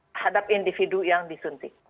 terhadap individu yang disuntik